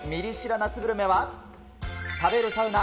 夏グルメは、食べるサウナ！